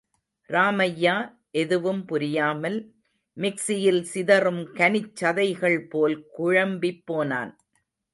ராமய்யா, எதுவும் புரியாமல், மிக்ஸியில் சிதறும் கனிச்சதைகள் போல் குழம்பிப் போனான்.